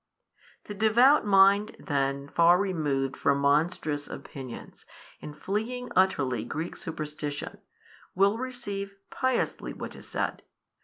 The devout mind, then, far removed from monstrous opinions, and fleeing utterly Greek superstition, will receive piously what is said.